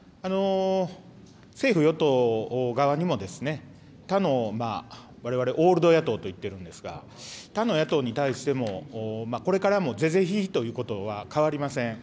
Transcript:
政府・与党側にも、他のわれわれオールド野党といっているんですが、他の野党に対しても、これからも是々非々ということは変わりません。